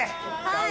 はい。